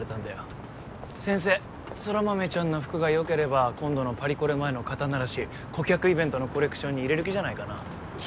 空豆ちゃんの服がよければ今度のパリコレ前の肩ならし顧客イベントのコレクションに入れる気じゃないかな